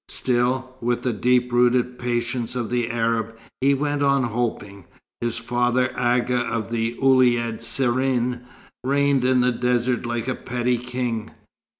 Still, with the deep rooted patience of the Arab, he went on hoping. His father, Agha of the Ouled Serrin, reigned in the desert like a petty king.